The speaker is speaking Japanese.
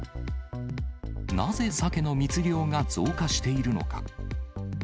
なぜサケの密漁が増加しているのか。